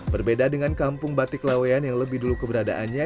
berbeda dengan kampung batik lawean yang lebih dulu keberadaannya